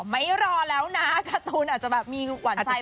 ไม่รอแล้วนะการ์ตูนอาจจะแบบมีหวานใจ